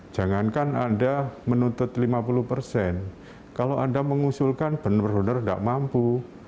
jangankan anda menuntut lima puluh persen kalau anda mengusulkan benar benar tidak mampu